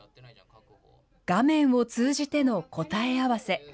画面を通じての答え合わせ。